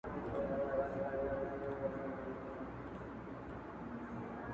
جانان پر سرو سترګو مین دی.!